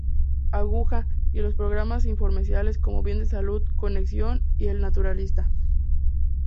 Aguja" y los programas infomerciales como "Bien de salud, conexión" y "El naturista".